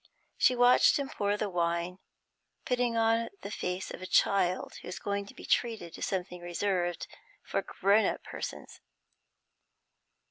She watched him pour the wine, putting on the face of a child who is going to be treated to something reserved for grown up persons.